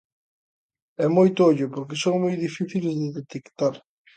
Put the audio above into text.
E moito ollo, porque son moi difíciles de detectar.